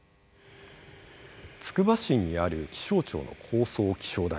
つくば市にある気象庁の高層気象台。